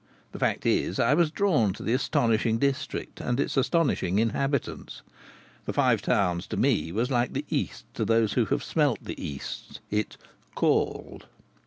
The fact is, I was drawn to the astonishing district and its astonishing inhabitants. The Five Towns, to me, was like the East to those who have smelt the East: it "called."